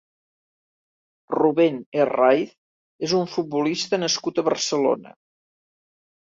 Rubén Herráiz és un futbolista nascut a Barcelona.